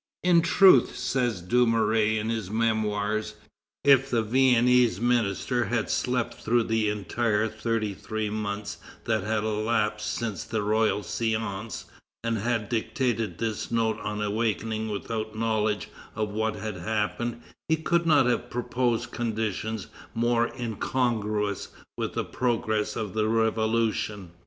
"In truth," says Dumouriez in his Memoirs, "if the Viennese minister had slept through the entire thirty three months that had elapsed since the royal séance, and had dictated this note on awaking without knowledge of what had happened, he could not have proposed conditions more incongruous with the progress of the Revolution....